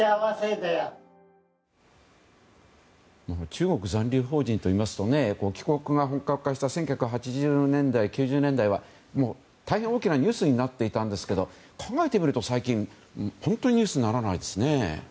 中国残留邦人といいますと帰国が本格化した１９８０年代９０年代は大変大きなニュースになっていたんですけど考えてみると最近、本当にニュースにならないですね。